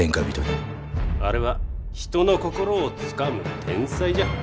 あれは人の心をつかむ天才じゃ。